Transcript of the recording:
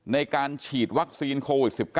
ในการฉีดวัคซีนโควิด๑๙